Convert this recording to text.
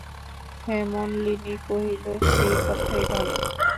হেমনলিনী কহিল, সেই কথাই ভালো।